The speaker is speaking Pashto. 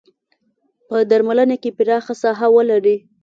په درملنه کې پراخه ساحه ولري.